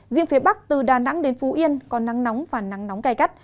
riêng phía bắc từ đà nẵng đến phú yên có nắng nóng và nắng nóng cay cắt